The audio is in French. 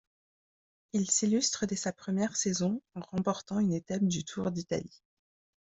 Il s'illustre dès sa première saison en remportant une étape du Tour d'Italie.